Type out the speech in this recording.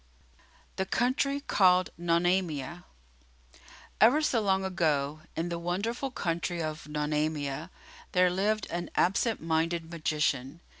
The Country Called Nonamia Ever so long ago, in the wonderful country of Nonamia, there lived an absent minded magician.